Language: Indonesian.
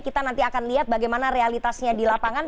kita nanti akan lihat bagaimana realitasnya di lapangan